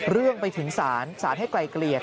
เรื่องไปถึงศาลศาลให้ไกลเกลี่ย